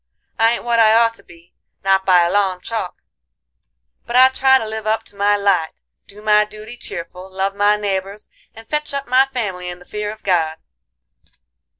I ain't what I ought to be, not by a long chalk, but I try to live up to my light, do my duty cheerful, love my neighbors, and fetch up my family in the fear of God.